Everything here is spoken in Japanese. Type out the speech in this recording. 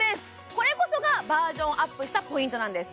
これこそがバージョンアップしたポイントなんです